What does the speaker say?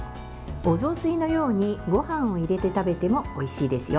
お雑炊のようにごはんを入れて食べてもおいしいですよ。